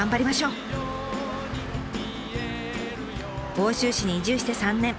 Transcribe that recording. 奥州市に移住して３年。